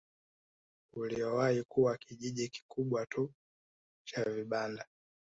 Uliowahi kuwa kijiji kikubwa tu cha vibanda